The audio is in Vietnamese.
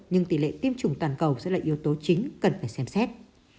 nhưng tỷ lệ tiêm chủng toàn cầu sẽ là yếu tố chính cần phải xem xét